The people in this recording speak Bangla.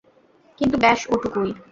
কিন্তু ব্যস ওটুকুই।